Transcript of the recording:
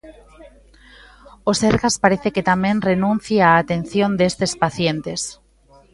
O Sergas parece que tamén renuncia á atención destes pacientes.